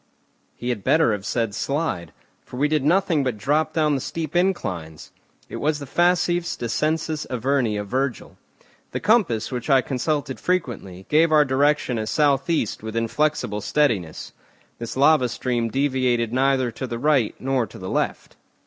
He had better have said slide, for we did nothing but drop down the steep inclines. It was the facifs descensus Averni of Virgil. The compass, which I consulted frequently, gave our direction as south east with inflexible steadiness. This lava stream deviated neither to the right nor to the left.